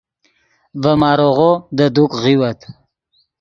ڤے ماریغو دے دوک غیوت